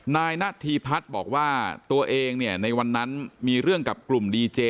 ณฑีพัฒน์บอกว่าตัวเองเนี่ยในวันนั้นมีเรื่องกับกลุ่มดีเจ